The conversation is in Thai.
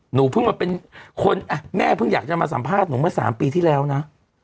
หนูเพิ่งมาเป็นคนแม่เพิ่งอยากจะมาสัมภาษณ์หนูเมื่อ๓ปีที่แล้วนะ